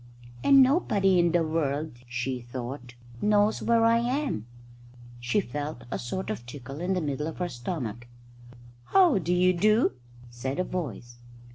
"And nobody in the world," she thought, "knows where I am." She felt a sort of tickle in the middle of her stomach. "How do you do?" said a voice.